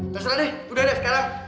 terserah deh udah deh sekarang